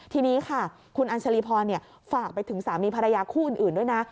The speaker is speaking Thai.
ทีนี้ค่ะคุณอัญชาลีพรฝากไปถึงสามีภรรยาคู่อื่นด้วยนะ